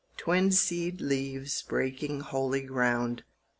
Twin seed leaves breaking holy ground.